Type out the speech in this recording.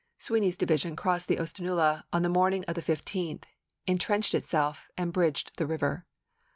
Sweeny's division crossed May, 1864. the Oostenaula on the morning of the 15th, in trenched itself, and bridged the river.